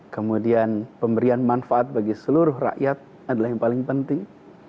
kemudian pemberian manfaat bagi seluruh rakyat adalah yang paling penting